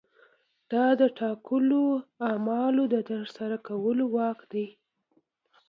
دا د ټاکلو اعمالو د ترسره کولو واک دی.